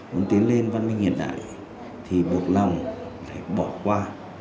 muốn tiến lên văn minh hiện đại thì buộc lòng phải bỏ qua